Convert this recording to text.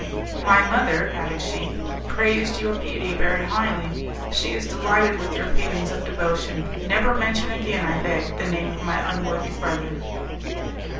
"My mother," added she, "praised your piety very highly; she is delighted with your feelings of devotion. Never mention again, I beg, the name of my unworthy brother."